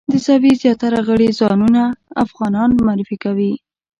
د زاویې زیاتره غړي ځانونه افغانان معرفي کوي.